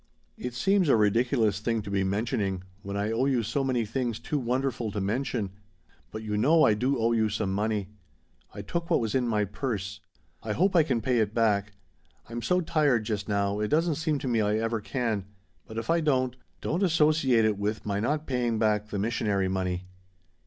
"It seems a ridiculous thing to be mentioning, when I owe you so many things too wonderful to mention but you know I do owe you some money. I took what was in my purse. I hope I can pay it back. I'm so tired just now it doesn't seem to me I ever can but if I don't, don't associate it with my not paying back the missionary money!